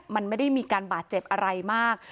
มันไม่ได้มีการบาดเจ็บอะไรมาก